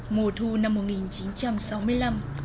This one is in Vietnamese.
mùa thu năm một nghìn chín trăm sáu mươi năm